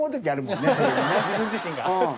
自分自身が。